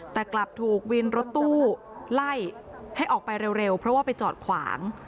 แต่กลับถูกวินรถตู้ไล่ให้ออกไปเร็วเพราะว่าไปจอดขวาง